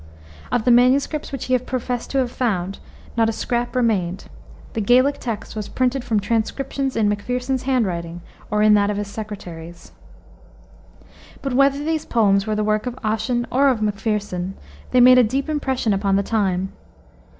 Of the MSS. which he professed to have found not a scrap remained: the Gaelic text was printed from transcriptions in Macpherson's handwriting or in that of his secretaries. But whether these poems were the work of Ossian or of Macpherson, they made a deep impression upon the time.